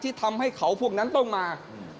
ที่ทำให้เขาพวกนั้นต้องมา